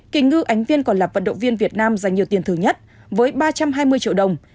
kỳ ngư ánh viên còn là vận động viên việt nam dành nhiều tiền thường nhất với ba trăm hai mươi triệu đồng